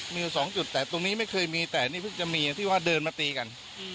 มีอยู่สองจุดแต่ตรงนี้ไม่เคยมีแต่นี่เพิ่งจะมีที่ว่าเดินมาตีกัน